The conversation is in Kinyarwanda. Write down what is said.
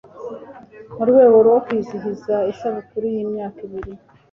mu rwego rwo kwizihiza isabukuru yimyaka ibiri